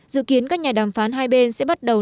dự kiến các nhà đàm phán hai bên sẽ bắt đầu